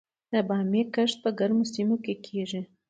د بامیې کښت په ګرمو سیمو کې کیږي؟